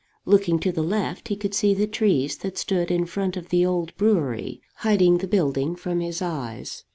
Looking to the left he could see the trees that stood in front of the old brewery, hiding the building from his eyes.